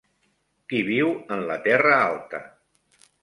Qui viu en la Terra alta?